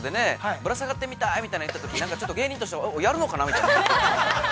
ぶら下がってみたいというとき芸人としてやるのかなみたいな。